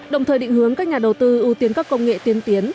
đồng thời định hướng các nhà đầu tư ưu tiên các công nghệ tiên tiến